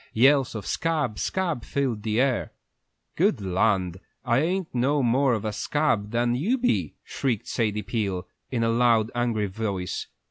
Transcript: Yells of "Scab, scab!" filled the air. "Good land, I ain't no more of a scab than you be!" shrieked Sadie Peel, in a loud, angry voice.